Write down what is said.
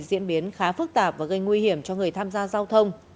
diễn biến khá phức tạp và gây nguy hiểm cho người tham gia giao thông